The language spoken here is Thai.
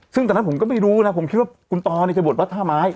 ซึ่งตอนนั้นผมก็ไม่รู้นะผมคิดว่าคุณตอเนี่ยจะบวชวัดท่าไม้